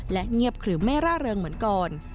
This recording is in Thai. และเงียบขึมไม่ร่าเริงเหมือนก่อน